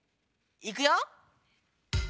いくよ！